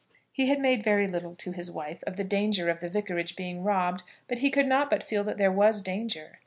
He had made very little to his wife of the danger of the Vicarage being robbed, but he could not but feel that there was danger.